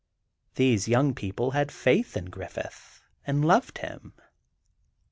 Those young people had faith in Griffith, and loved him.